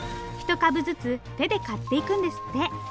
１株ずつ手で刈っていくんですって。